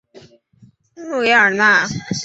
穆列尔讷。